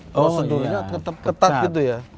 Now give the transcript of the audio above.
prosedurnya tetap ketat gitu ya